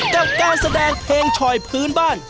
กับการแสดงเพลงฉอยพื้นบ้าน